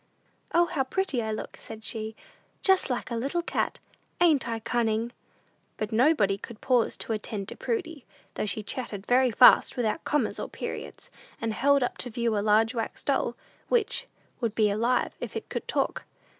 "O, how pretty I look," said she; "just like a little cat! Ain't I cunning?" But nobody could pause to attend to Prudy, though she chatted very fast, without commas or periods, and held up to view a large wax doll which "would be alive if it could talk."